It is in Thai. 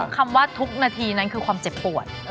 เมื่อกี้คำว่าทุกนาทีนั้นคือความเจ็บปวด